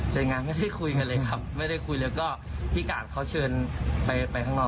เจ๊งงานไม่ได้คุยเลยครับได้คุยเลยก็พี่กะองเขาเชิญไปในยาย